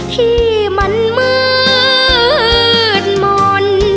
ที่มันเหมือน